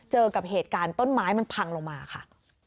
เจอกับเหตุการณ์ต้นไม้มันพังลงมาค่ะ